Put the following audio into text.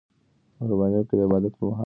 مهرباني وکړئ د عبادت پر مهال چوپتیا غوره کړئ.